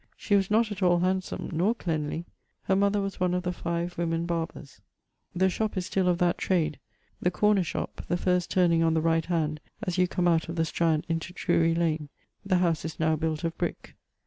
She was not at all handsome, nor cleanly. Her mother was one of the five woemen barbers. [XXVII.] The shop is still of that trade; the corner shop, the first turning on the right hand as you come out of the Strand into Drury lane; the howse is now built of brick.